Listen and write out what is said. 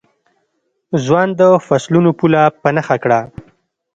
ځوان د فصلونو پوله په نښه کړه.